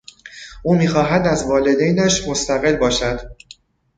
او میخواهد از والدینش مستقل باشد.